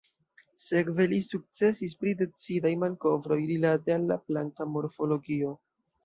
Sekve li sukcesis pri decidaj malkovroj rilate al la planta morfologio.